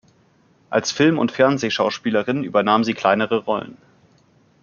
Als Film- und Fernsehschauspielerin übernahm sie kleinere Rollen.